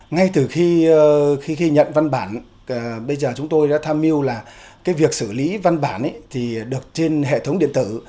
ngay từ khi nhận văn bản bây giờ chúng tôi đã tham mưu là việc xử lý văn bản thì được trên hệ thống điện tử